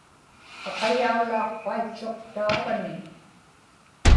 aqayaulaaqpaitchuq taavani